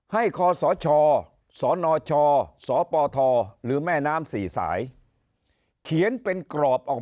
คศสนชสปทหรือแม่น้ำสี่สายเขียนเป็นกรอบออก